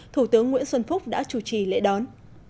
thủ tướng nguyễn xuân phúc đã chủ trì lễ đón